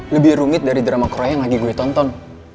lebih rumit dari drama korea yang lagi gue tonton